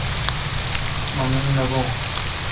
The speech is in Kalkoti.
مہ نیند نہ بوُن